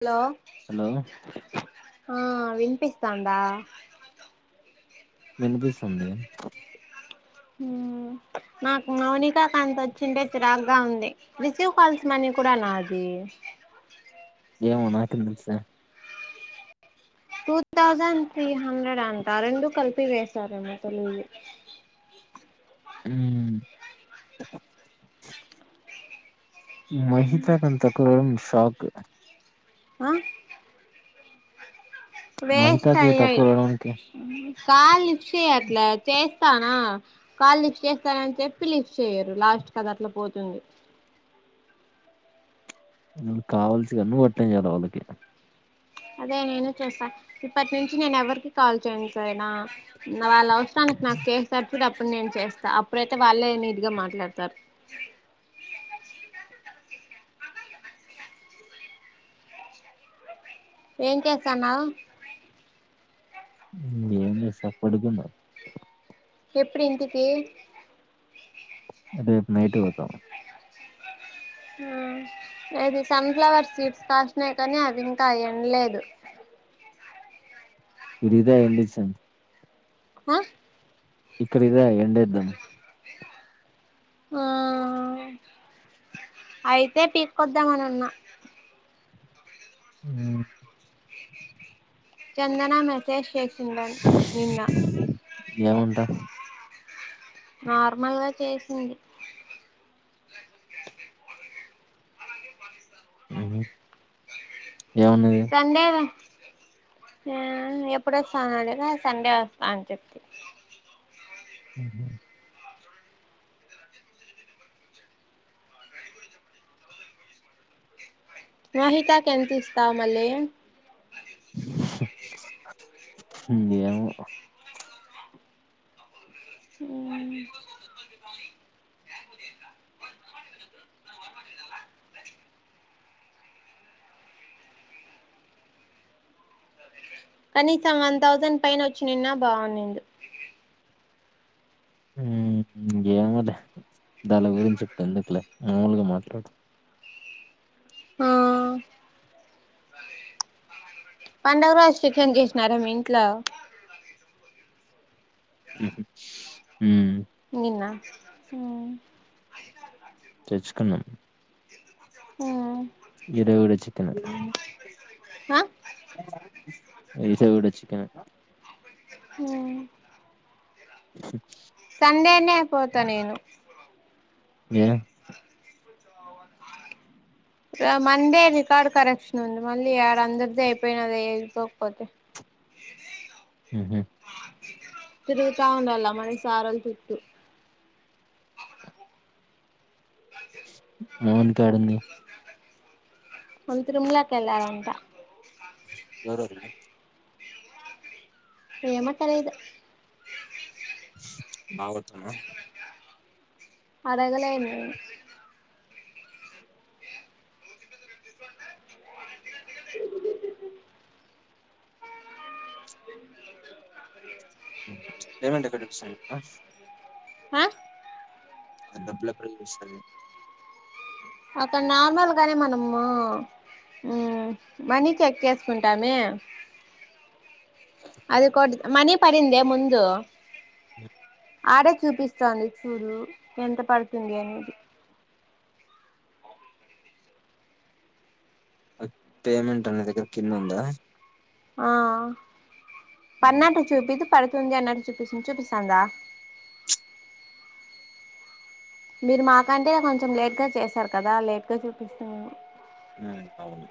ఆలో హలో హా వినిపిస్తాందా విన్పిస్తుందీ హుమ్ నాకు మౌనిక కాంతోచ్చింటే చిరాకుగా ఉంది రిసీవ్ కాల్స్ మనీ కూడా నాది ఏమో నాకేం తెలిసే చూసావ్ థౌజండ్ త్రీ హండ్రెడ్ అంట రెండు కలిపి వేసారేమో తెలీదు మ్మ్ మహితా అంత తక్కు షాక్ ఆహ్ మహితాకు వెయిస్టయ్యాయ్ తక్కువ రావడానికి కాల్ లిఫ్టచేయాట్లే చేస్త్ ఇస్తానా కాల్ లిఫ్ట్ చేస్తానని చెప్పి లిఫ్ట్ చేయరు లాస్ట్ కదట్ల పోతుంది ఉన్ కావల్సిగా నువట్లనేజేయాలి వాళ్ళకి అదే నేను చేస్తా ఇప్పట్నుంచి నేను ఎవరికి కాల్ చెయ్యను సరేనా నావల్ల అవసరనికి నాక్ చేస్తార్ పుడు అప్పుడు నేను చేస్తా అప్పుడైతే వాళ్ళే నీట్గా మాట్లాడతారు [inaudible] ఏం చేస్తన్నావ్ మ్మ్ ఎంజేస్తా పడుకున్న ఎపుడింటికి అంటే రేపు నైట్ పోతవ ఆ ఇది సన్ఫ్లవర్ సీడ్స్ కాసినయి కానీ అవి ఇంకా ఎండ లేదు విరిద ఎం చేస్తాన్ హ ఇక్కడిద ఎండేద్దాం ఆ అయితే తీస్కోదాం అని అన్న మ్మ్ చందన మెస్సేజ్ చేసిందన్ నిన్న ఏముంటా నార్మల్గా చేసింది ఉహ్మ్ సండే ఆ ఎప్పుడొస్తవ్ అని అడిగితె సండే ఒస్తత అని చెప్పి మ్మ్. మహితాక ఎంత ఇస్తావ్ మలి ఏమో ఉమ్ కనీసం వన్ థౌసండ్ పైన వచ్చి నిన్న బాగున్నింది ఉం ఇంగ ఏమోలే దని గురించి ఇప్పుడు ఎందుకులే మామూలుగా మాట్లాడు ఆ పండుగ రోజు చికెన్ చేసినారా మీ ఇంట్లో ఉమ్ నిన్న తెచ్చుకున్నాం ఉమ్ ఈ రోజు కూడా చికెన్ ఆ ఇస కూడా చిక్కెనే ఉమ్ సండేనే పోతా నేను ఏ మండే రికార్డు కరెక్షన్ ఉంది మళ్ళీ ఆడ అందరిదే అయిపోయినాది ఐపోకపోతే ఏది ఉహ్మ్ తిరుగుతా ఉండల మన సరోల్ చుట్టూ మోనికా ఏడుంది వల్ల తీర్మాల కి వెళ్ళారంట ఎవరెవరు ఏమో తెలీదు బావోతనాడ అడగలేదు నేను పేమెంట్ ఎక్కడ చూపిస్తుంది ఆ అక్కడ డబ్బు అక్కడ చూపిస్తున్నాయ్ అక్కడ నార్మల్ గానే మనము ఉమ్ మనీ చెక్ చేసుకుంటామే ఇక్కడ అది కొడ్ మనీ పడిందే ముందు ఆడే చూపిస్తుతోంది చూడు ఎంత పడుతుంది అని పేమెంట్ అనే దగ్గర కింద ఉందా ఆ ఉమ్ పనటు చూపిదు పడుతుంది అన్నట్టు చూపిస్తుంది చూపిస్తందా మీరు మాకంటే కొంచెం లేట్ గా చేసారు కదా లేట్ గా చూపిస్తుందేమో ఉమ్ అవును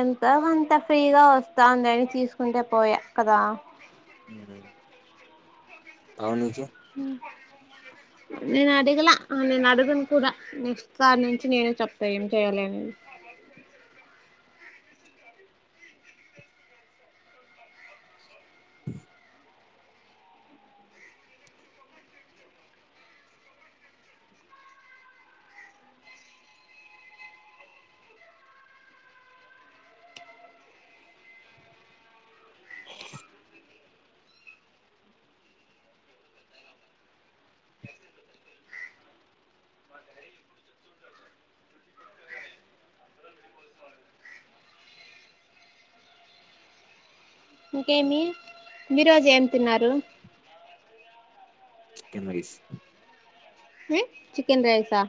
ఎంత కొంత ఫ్రీగా వస్తంది అది తీసుకుంటే పోయా కదా ఉమ్ పావనికే హుమ్ నేను అడిగలా నేను అడుగను కూడా నెక్స్ట్ సారి నుంచి నేనే చెప్తా ఏం చెయ్యాలి అనేది ఇంకేమి ఈ రోజు ఏం తిన్నారు చికెన్ రైస్ చికెన్ రైసా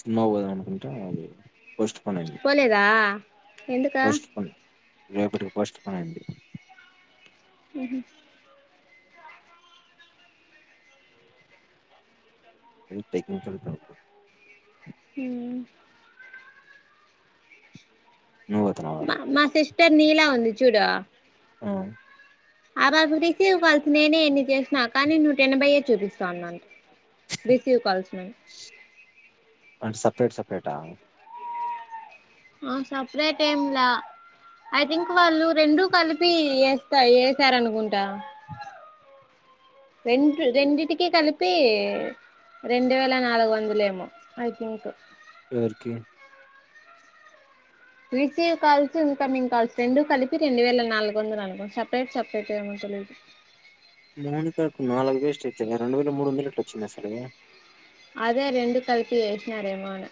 సినిమాక్ పోదాం అనుకుంటా ఆమె పోయింద్ పోస్ట్ పోన్ అయింది పోలేదా ఎందుకా పోస్ట్ పోన్ రేపటికి పోస్ట్ పోన్ అయింది ఉహు టెక్నికల్ ప్రాబ్ల ఉమ్ నువొతున్నవారా అంటే నీలా వుంది చూడు ఆ ఆ బాబు రిసీవ్ కాల్స్ నేనే ఎన్ని చేసినా కానీ నూట ఎనభైయే చూపిస్తా ఉందట రిసీవ్ కాల్స్ ని సెపరేట్ సెపరేట్ ఆ ఆ సపరేట్ ఏమ్లా ఐ థింక్ వాళ్ళు రెండు కలిపి ఎస్తా ఎసరనుకుంటా రెంట్ రెండింటికి కలిపి రెండు వేల నాలుగు వందలేమో ఐ థింక్ ఎవరికీ రిసీవ్ కాల్స్ ఇన్కమింగ్ కాల్స్ రెండు కలిపి రెండు వేల నాలుగు వందలు అనుకో సపరేట్ సపరేట్ ఏమో తెలీదు మోహన్ కార్కు నాలుగు వేస్ట్ ఇచ్చిన రెండు వేల మూడు వందలు ఎట్లు వచ్చినాయి అసలు అదే రెండు కలిపి ఏసినరేమా అని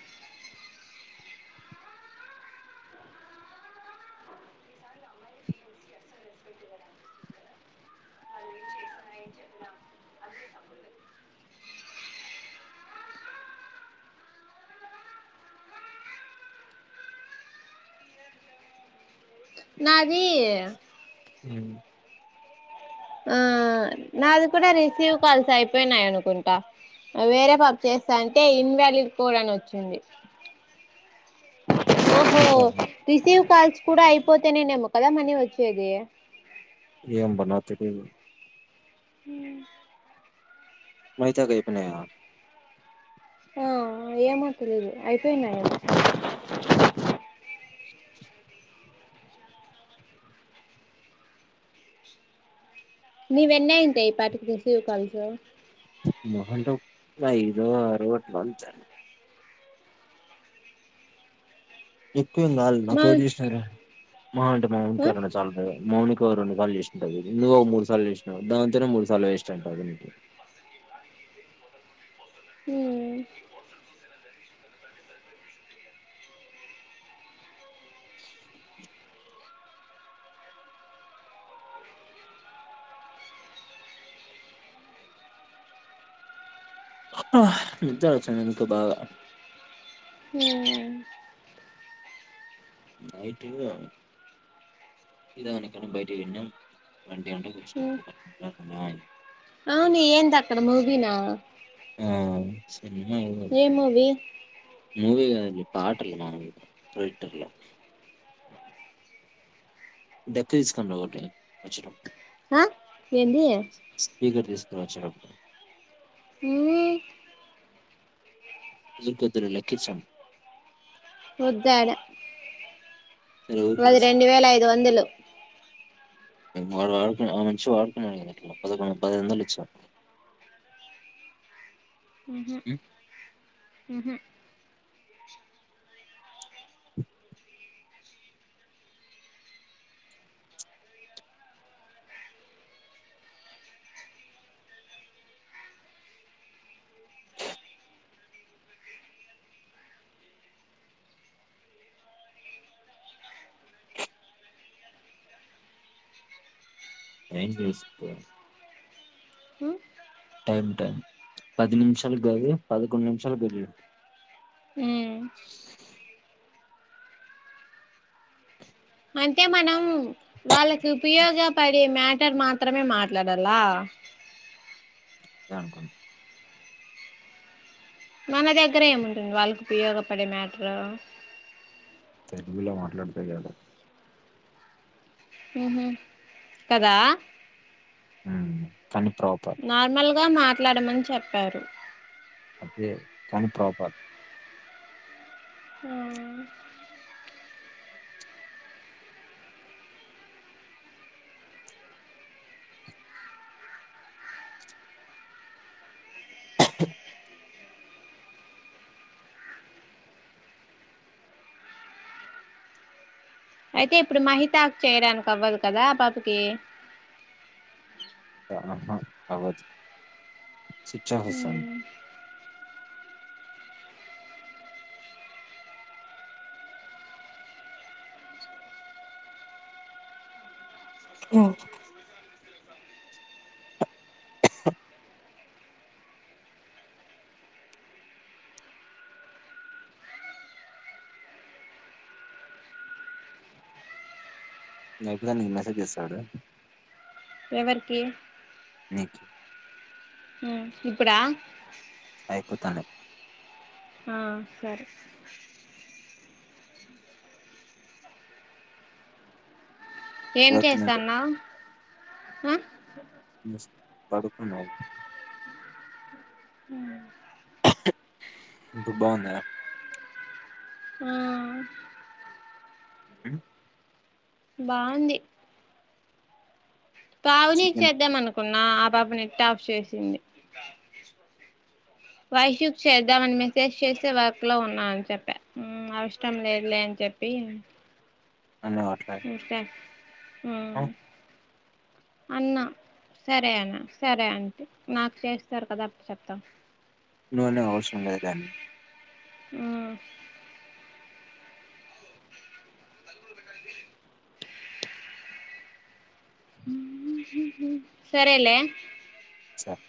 నాది ఉ ఆ నాది కూడా రిసీవ్ కాల్స్ అయిపోయినాయి అనుకుంటా వేరే పాప చేస్తా అంటే ఇన్వ్యాలీడ్ కోడ్ అని వచ్చింది ఓహో నీకా రిసీవ్ కాల్స్ కూడా అయిపోతే నెమో కదా మనీ వచ్చేది ఏం బా నాక్ తెలీదు ఉ మైతది అయిపోయినాయ ఆ ఏమో తెలీదు అయిపోయినాయేమో నీవ్ ఎన్ని అయింటాయి ఇపాటికి రిసీవ్ కాల్స్ మహా అంటే ఒక ఐదో ఆరో అట్లా అంతే ఎక్కువేం కాలదు మా నాకు ఎవరు ఆ చేసినారే మహా అంటే మ ఇంటికాడునోళ్లు క చాల మౌని ఇ రెండు సార్లు చేస్తుంటది నువ్వు మూడు సార్లు చేసినవ్ దాంతోనే మూడు సార్లు వేస్ట్ ఆయుంటాది దీనికి ఉ విచారుచ్చ నందుంతో బాగా హ్మ్ నైటు టి తాగనిక అని బయటికి పోయింది ఆమె వంటి గంటకి ఉమ్ వొచ్చినం [unintelligible] అవును ఏందక్కడ మూవీన ఆ మూవీ గాద్ ఇగ పాటలు మాము టోటియల డక్కు తీస్కొని ర ఒకటి వొచ్చేటప్పు ఆ ఏంది స్పీకర్ తీసుకురా వొచ్చేటప్ హ్మ్ లిక్ వద్దులే లక్కీ చార్మ్ వొద్దు ఆడ సరే ఊరికే మది రెండు వేల ఐదు వందలు ఆడు వాడుకున్నా ఆ మనిషి వాడుకున్నాడు గదా ట్లో పదకొండు పదైవొందలు ఇచ్చిన మ్మ్ మ్ మ్మ్ ఏంజెస్తు టైం టైం పది నిమిషాలు గాదు పదకొండు నిమిషాలు బైట్ పోయింది ఉ మ్ అంటే మనం వాళ్ళకి ఉపయోగపడే మ్య టర్ మాత్రమే మాట్లాడాల దే అనుకుంట్ మన దగ్గర ఏముంటుంది వాళ్ళకి ఉపయోగపడే మ్యాటరు తెలుగు లో మాట్లాడితే చాలు ఉహు కదా కానీ ప్రాపర్ గా మాట్లాడమని చెప్పారు అదే కానీ ప్రాపర్ ఆ అయితే ఇప్పుడు మహితా క్ చేయడానికి అవ్వదు కదా ఆ పాపకి అ హ అవ్వచ్ స్విచ్ అఫ్ వస్తాం అ ఇది అయిపోతానే నీకు మెసేజ్ చేస్తా చూడు ఎవర్కి నిక్ ఉ ఇప్పుడా అయిపోతానే ఆ సరే ఏం ఇప్పటికి నాకు చేస్తన్నావ్ ఆ ముస్ పడుకున్నావ్ ఉ ఇప్పుడు బాగుందా ఆ మ్ బాగుంది పావని కి చికెన్ చేద్దాం అనుకున్నా ఆ పాప నెట్ ఆఫ్ చేసింది వైషూక్ చేద్దామని మెసేజ్ చేస్తే వర్క్ లో ఉన్నా అని చెప్పా అవసరం లేదులే అని చెప్ పిమ్ అనే అట్లా ఓకే మ్ అన్నా సరే అన్నా సరే ఆంటె మాక్ చేస్తారు కదా అప్పుడు చెప్తా నో నో అవ్సరం లేదని ఆ సరేలే సర్